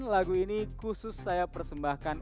lagu ini khusus saya persembahkan